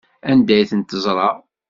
Anda ay tent-teẓra?